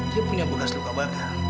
dia punya bekas luka bakar